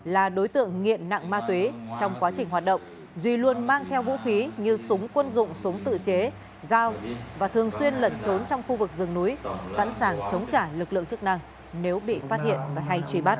là đối tượng nghiện nặng ma túy trong quá trình hoạt động duy luôn mang theo vũ khí như súng quân dụng súng tự chế dao và thường xuyên lận trốn trong khu vực rừng núi sẵn sàng chống trả lực lượng chức năng nếu bị phát hiện và hay truy bắt